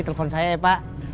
telepon saya ya pak